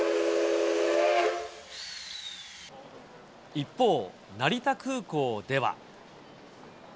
一方、成田空港では。